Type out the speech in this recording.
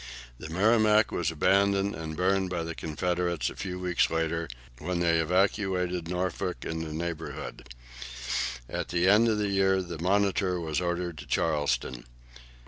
The "Merrimac" was abandoned and burned by the Confederates a few weeks later when they evacuated Norfolk and the neighbourhood. At the end of the year the "Monitor" was ordered to Charleston.